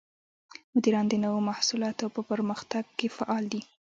مدیران د نوو محصولاتو په پرمختګ کې فعال دي.